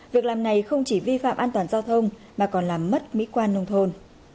việc làm này không chỉ vi phạm an toàn giao thông mà còn làm mất mỹ quan nông thôn